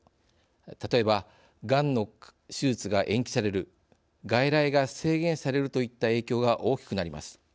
例えばがんの手術が延期される外来が制限されるといった影響が大きくなります。